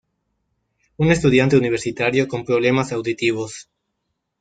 Un estudiante universitario con problemas auditivos.